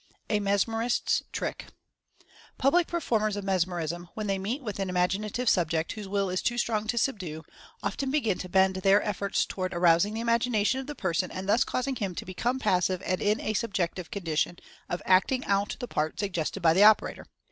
a mesmerist's trick. Public performers of mesmerism, when they meet with an imaginative subject whose will is too strong to subdue, often begin to bend their efforts toward arousing the imagination of the person and thus caus ing him to become passive and in a subjective condi tion of "acting out" the part suggested by the opera tor.